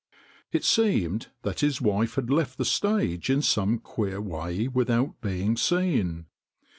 It seemed that his wife had left the stage in some queer way without being seen.